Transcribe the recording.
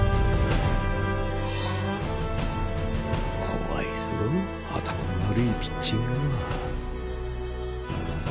怖いぞ頭の悪いピッチングは。